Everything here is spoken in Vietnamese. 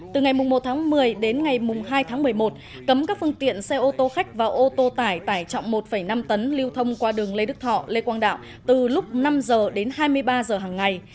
từ ngày một tháng một mươi đến ngày hai tháng một mươi một cấm các phương tiện xe ô tô khách và ô tô tải tải trọng một năm tấn lưu thông qua đường lê đức thọ lê quang đạo từ lúc năm h đến hai mươi ba h hàng ngày